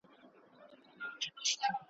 خره هم ورکړې څو لغتي په سینه کي .